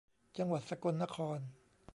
จังหวัดสกลนคร